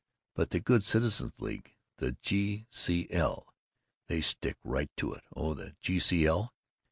But the Good Citizens' League, the G. C. L., they stick right to it. Oh, the G. C. L.